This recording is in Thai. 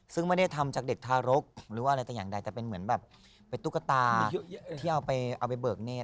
ซึ่งไม่ได้ทำจากเด็กทารกหรือว่าอะไรแต่อย่างใดแต่เป็นเหมือนแบบเป็นตุ๊กตาที่เอาไปเอาไปเบิกเนธ